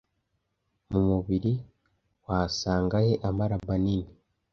Mu mubiri wasanga he Amara manini